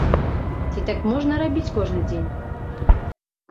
Ці так можна рабіць кожны дзень?